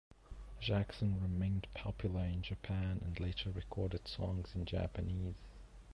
Jackson remained popular in Japan and later recorded songs in Japanese.